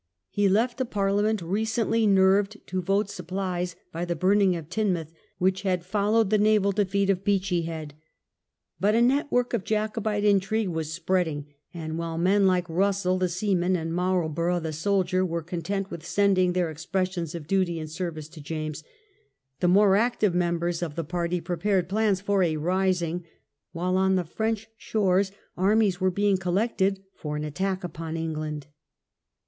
He left a parlia '^' ment recently nerved to vote supplies by the burning of Teignmouth, which had followed the naval defeat of Beachy Head. But a network of Jacobite in trigue was spreading, and while men like Russell, the seaman, and Marlborough, the soldier, were content with sending their expressions of duty and service to James, the more active members of the party prepared plans for a rising, while on the French shores armies were being collected for an attack upon England.